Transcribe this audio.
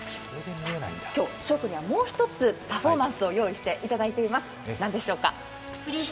今日、翔君にはもう一つパフォーマンスを用意していただいています。